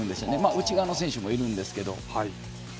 内側の選手もいるんですけど。